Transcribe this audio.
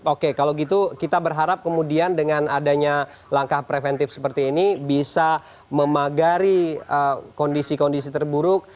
oke kalau gitu kita berharap kemudian dengan adanya langkah preventif seperti ini bisa memagari kondisi kondisi terburuk